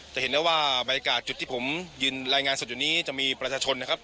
เชิญครับ